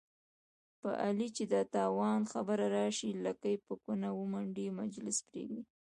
په علي چې د تاوان خبره راشي، لکۍ په کونه ومنډي، مجلس پرېږدي.